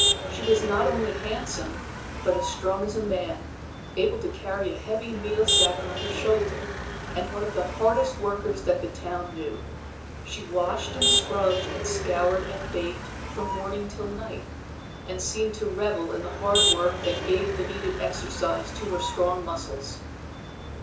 She was not only handsome, but as strong as a man, able to carry a heavy meal sack on her shoulder; and one of the hardest workers that the town knew. She washed and scrubbed and scoured and baked from morning till night, and seemed to revel in the hard work that gave the needed exercise to her strong muscles.